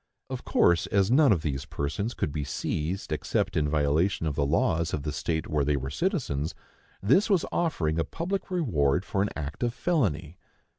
Of course, as none of these persons could be seized except in violation of the laws of the state where they were citizens, this was offering a public reward for an act of felony.